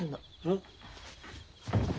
ん？